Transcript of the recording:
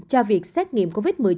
cho việc xét nghiệm covid một mươi chín